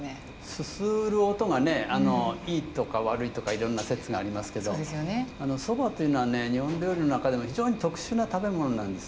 すする音がねいいとか悪いとかいろんな説がありますけど蕎麦というのはね日本料理の中でも非常に特殊な食べ物なんです。